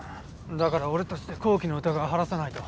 だから俺たちで紘希の疑いを晴らさないと。